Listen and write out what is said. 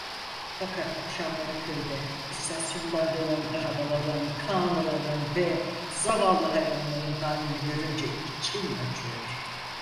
Fakat akşamları köyde, istasyondan dönen arabaların, kağnıların ve zavallı hayvanların halini görünce içim acıyor.